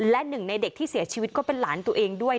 และหนึ่งในเด็กที่เสียชีวิตก็เป็นหลานตัวเองด้วย